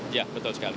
ya betul sekali